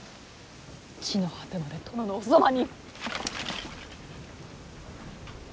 地の果てまで殿のおそばに！